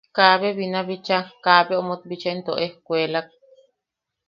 Kaabe binabicha... kaabe omot bicha into ejkuelak.